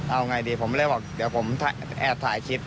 เอาไงดีผมเลยบอกเดี๋ยวผมแอบถ่ายคลิป